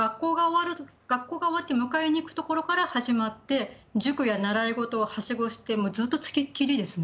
学校が終わって迎えに行くところから始まって、塾や習い事をはしごしてずっと付きっきりですね。